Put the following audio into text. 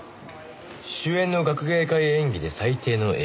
「主演の学芸会演技で最低の映画に」